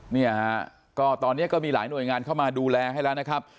เนี่ยฮะก็ตอนนี้ก็มีหลายหน่วยงานเข้ามาดูแลให้แล้วนะครับ